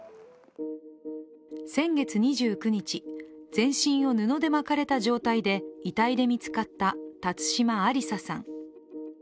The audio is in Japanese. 先月２９日、全身を布で巻かれた状態で遺体で見つかった辰島ありささん。